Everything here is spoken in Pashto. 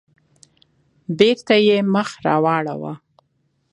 بېرته يې مخ راواړاوه.